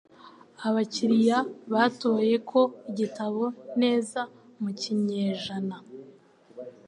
abakiriya batoye ko igitabo neza mu kinyejana